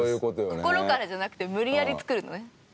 心からじゃなくて無理やり作るのね。